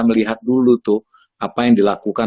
melihat dulu tuh apa yang dilakukan